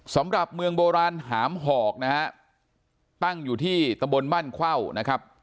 สำหรับเมืองโบราณหามหอกนะฮะตั้งอยู่ที่ตะบนบ้านเข้านะครับ